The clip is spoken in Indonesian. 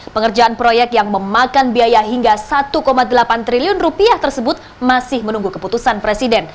pengerjaan proyek yang memakan biaya hingga satu delapan triliun rupiah tersebut masih menunggu keputusan presiden